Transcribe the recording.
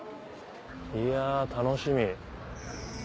いや楽しみ。